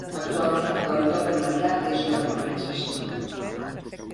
Actualment l'entorn immediat és una urbanització.